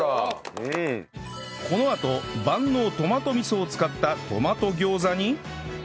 このあと万能トマト味噌を使ったトマト餃子に